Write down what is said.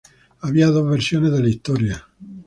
Había dos versiones de la historia.